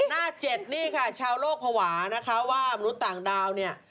หน้า๗นี่ค่ะชาวโลกภาวะนะคะว่ามนุษย์ต่างดาวเนี่ย